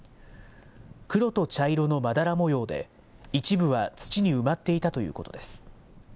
黒と茶色のまだら模様で、一部は土に埋まっていたということです。